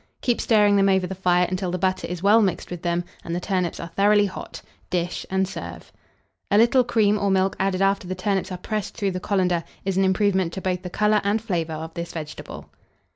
Keep stirring them over the fire until the butter is well mixed with them, and the turnips are thoroughly hot; dish, and serve. A little cream or milk added after the turnips are pressed through the colander, is an improvement to both the colour and flavour of this vegetable.